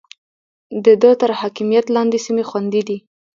د ده تر حاکميت لاندې سيمې خوندي دي.